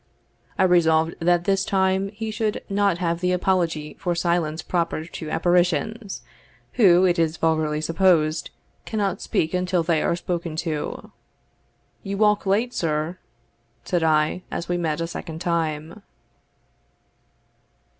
I resolved that this time he should not have the apology for silence proper to apparitions, who, it is vulgarly supposed, cannot speak until they are spoken to. "You walk late, sir," said I, as we met a second time.